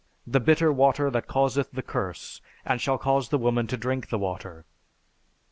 the bitter water that causeth the curse, and shall cause the woman to drink the water."